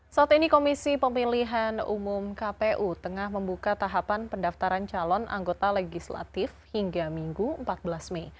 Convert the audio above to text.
saat ini komisi pemilihan umum kpu tengah membuka tahapan pendaftaran calon anggota legislatif hingga minggu empat belas mei